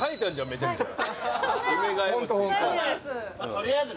めちゃくちゃ。